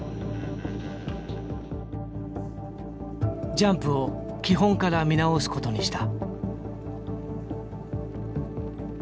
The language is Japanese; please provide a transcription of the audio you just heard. ジャンプを基本から見直すことにした。